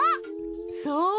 そう。